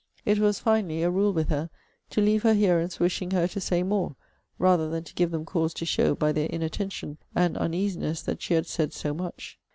It was, finally, a rule with her, 'to leave her hearers wishing her to say more, rather than to give them cause to show, by their inattention, an uneasiness that she had said so much.'